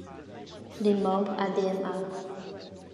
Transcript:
Les membres Adm.A.